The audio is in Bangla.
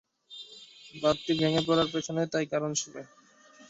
বাঁধটি ভেঙে পড়ার পেছনে তাই কারণ ছিলো।